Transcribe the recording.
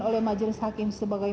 oleh majelis hakim sebagai